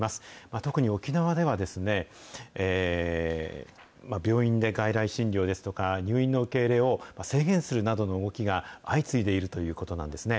特に沖縄では、病院で外来診療ですとか、入院の受け入れを制限するなどの動きが相次いでいるということなんですね。